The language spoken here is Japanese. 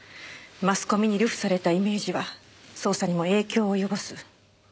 マスコミに流布されたイメージは捜査にも影響を及ぼす。